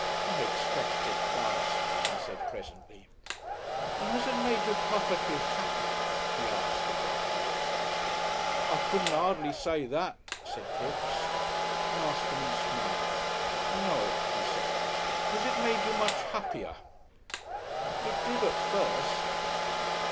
"I expect it does," he said presently. "And has it made you perfectly happy?" he asked, abruptly. "I couldn't 'ardly say that," said Kipps. Masterman smiled. "No," he said. "Has it made you much happier?" "It did at first."